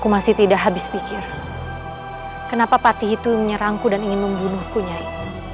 aku masih tidak habis pikir kenapa patih itu menyerangku dan ingin membunuhku nyai